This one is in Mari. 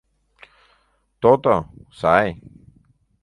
— То-то, сай.